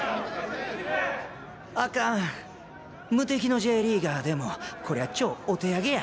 あかん無敵のＪリーガーでもこりゃちょお手あげや。